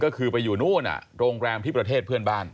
ก็คือไปอยู่นู่นโรงแรมที่ประเทศเพื่อนบ้าน